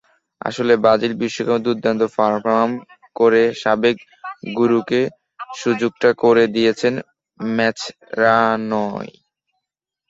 আসলে ব্রাজিল বিশ্বকাপে দুর্দান্ত পারফর্ম করে সাবেক গুরুকে সুযোগটা করে দিয়েছেন মাচেরানোই।